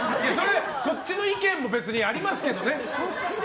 そっちの意見も別にありますけどね。